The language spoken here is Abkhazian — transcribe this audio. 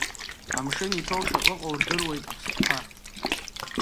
Амшын иҭоу шаҟа ыҟоу рдыруеит аԥстәқәа.